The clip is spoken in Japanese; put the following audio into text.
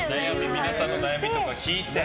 皆さんの悩みとか聞いて。